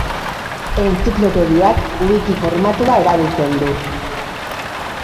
Entziklopediak wiki formatua erabiltzen du.